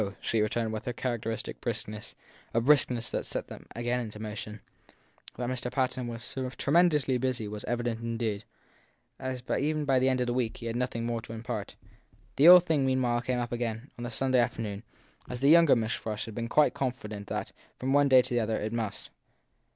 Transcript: she returned with her characteristic briskness a briskness that set them again into motion. That Mr. Patten was tremendously busy was evident indeed, as even by the end of the week he had nothing more to impart. The whole thing meanwhile came up again on the Sunday afternoon j as the younger Miss Frush had been quite confident THE THIRD PERSON 255 that, from one day to the other, it must.